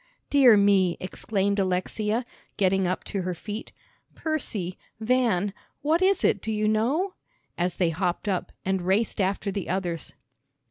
"Dear me!" exclaimed Alexia, getting up to her feet. "Percy Van what is it, do you know?" as they hopped up, and raced after the others.